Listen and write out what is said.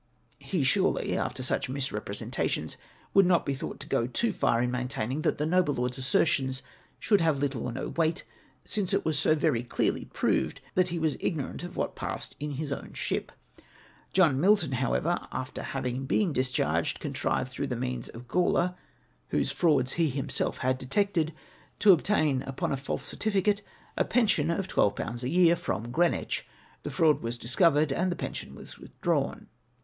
He surely, after such misrepre sentations, would not be thought to go too far in maintaining that the noble lord's assertions should have little or no weight, since it was so very clearly proved that he was ignorant of what passed in his own ship. John Milton, however, after having been discharged, contrived, through the means of Gawler, whose frauds he himself had detected, to obtain upon a false certificate a fjension of \'2l. a year from Greemvlch. The fraud was discovered, and tlie pension was withdrawn.